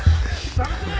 捜せ！